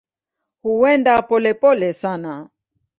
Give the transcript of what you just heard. Huenda polepole sana.